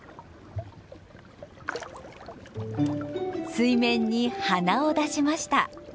水面に鼻を出しました。